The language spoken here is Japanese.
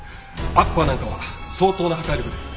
アッパーなんかは相当な破壊力です。